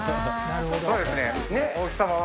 そうですね。